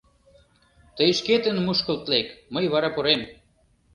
Тый шкетын мушкылт лек, мый вара пурем.